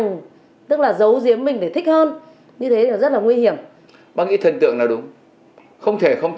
nhưng mà bây giờ mẹ thấy những cái trường hợp như thế này nó không phù hợp